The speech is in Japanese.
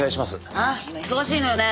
今忙しいのよね。